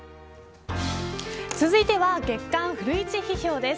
続いては月刊フルイチ批評です。